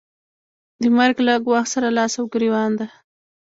د مرګ له ګواښ سره لاس او ګرېوان ده.